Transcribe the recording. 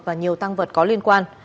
và nhiều tăng vật có liên quan